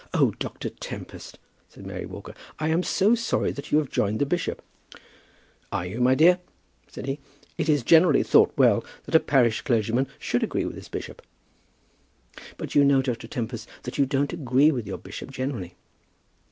"Oh, Dr. Tempest," said Mary Walker, "I am so sorry that you have joined the bishop." "Are you, my dear?" said he. "It is generally thought well that a parish clergyman should agree with his bishop." "But you know, Dr. Tempest, that you don't agree with your bishop generally."